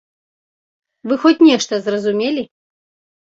Вы хоць нешта зразумелі?